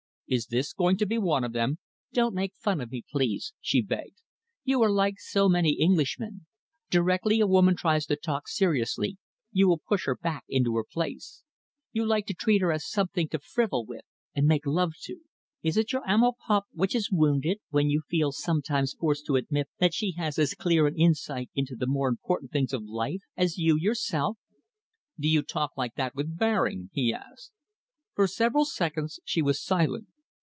"Is this going to be one of them?" "Don't make fun of me, please," she begged, "You are like so many Englishmen. Directly a woman tries to talk seriously, you will push her back into her place. You like to treat her as something to frivol with and make love to. Is it your amour propre which is wounded, when you feel sometimes forced to admit that she has as clear an insight into the more important things of life as you yourself?" "Do you talk like that with Baring?" he asked. For several seconds she was silent.